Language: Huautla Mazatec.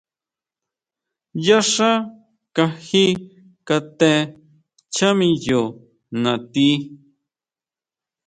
Yá xá kaji kate ncháa miyo natí.